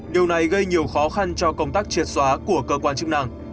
điều này gây nhiều khó khăn cho công tác triệt xóa của cơ quan chức năng